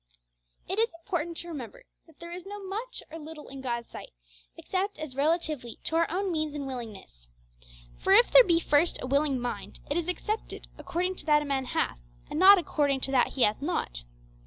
It is important to remember that there is no much or little in God's sight, except as relatively to our means and willingness. 'For if there be first a willing mind, it is accepted according to that a man hath, and not according to that he hath not.'